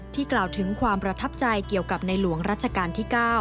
กล่าวถึงความประทับใจเกี่ยวกับในหลวงรัชกาลที่๙